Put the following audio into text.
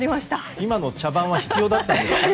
今の茶番は必要だったんですか？